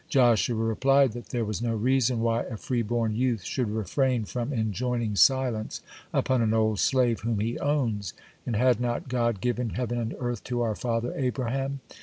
Joshua replied that there was no reason why a free born youth should refrain from enjoining silence upon an old slave whom he owns, and had not God given heaven and earth to our father Abraham?